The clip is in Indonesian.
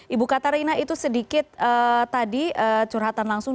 ibu katarina itu sedikit tadi curhatan langsung